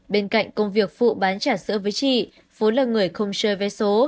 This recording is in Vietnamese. bên cạnh công việc phụ bán chả sữa với chị vốn là người không sơ vé số